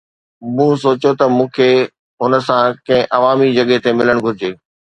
مون سوچيو ته مون کي هن سان ڪنهن عوامي جڳهه تي ملڻ گهرجي.